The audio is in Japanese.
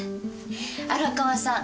荒川さん